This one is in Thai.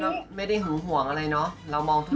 แต่ยุ่นยันไม่ได้หึ้งหวงอะไรเนอะเรามองทุกคน